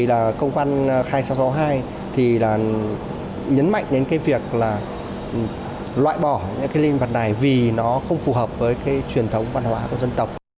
là cái rất nên phải loại bỏ